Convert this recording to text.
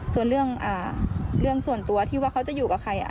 ส่วนเรื่องอ่าเรื่องส่วนตัวที่ว่าเขาจะอยู่กับใครอ่ะ